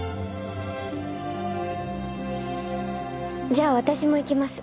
じゃあ私も行きます。